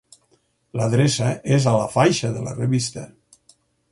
L'adreça és a la faixa de la revista.